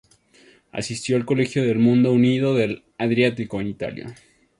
Asistió al Colegio del Mundo Unido del Adriático en Italia.